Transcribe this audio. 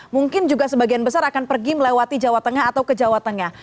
mungkin juga sebagian besar akan pergi melewati jawa tengah atau ke jawa tengah